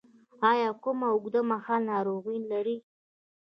ایا کومه اوږدمهاله ناروغي لرئ؟